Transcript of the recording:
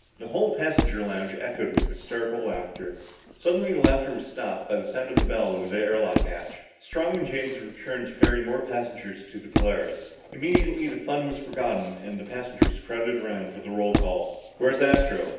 The whole passenger lounge echoed with hysterical laughter. Suddenly the laughter was stopped by the sound of the bell over the air lock hatch. Strong and James had returned to ferry more passengers to the Polaris. Immediately the fun was forgotten and the passengers crowded around for the roll call. "Where's Astro?"